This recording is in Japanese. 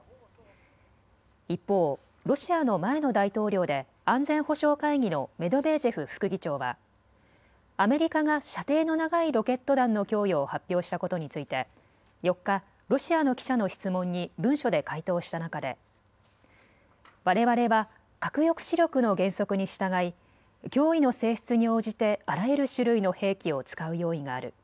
一方、ロシアの前の大統領で安全保障会議のメドベージェフ副議長はアメリカが射程の長いロケット弾の供与を発表したことについて４日、ロシアの記者の質問に文書で回答した中でわれわれは核抑止力の原則に従い脅威の性質に応じてあらゆる種類の兵器を使う用意がある。